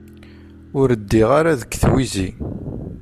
Ur ddiɣ ara deg twizi.